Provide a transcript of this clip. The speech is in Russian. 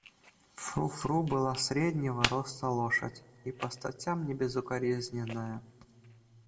Фру-Фру была среднего роста лошадь и по статям небезукоризненная.